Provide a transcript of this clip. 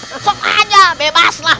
sosok aja bebas lah